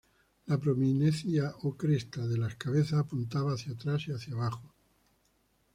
La prominencia o cresta de la cabeza apuntaba hacia atrás y hacia abajo.